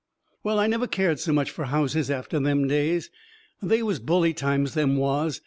Well, I never cared so much fur houses after them days. They was bully times, them was.